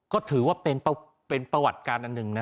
ก็ถือว่าเป็นประวัติการอันหนึ่งนะ